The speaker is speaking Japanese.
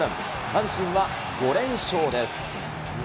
阪神は５連勝です。